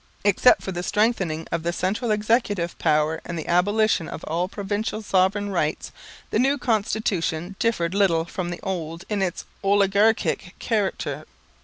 Except for the strengthening of the central executive power and the abolition of all provincial sovereign rights, the new Constitution differed little from the old in its oligarchic character.